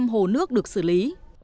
hồ nước được xử lý